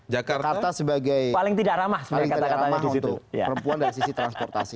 jakarta sebagai paling tidak ramah untuk perempuan dari sisi transportasi